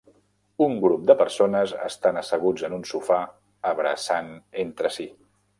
Un grup de persones estan asseguts en un sofà abraçant entre si.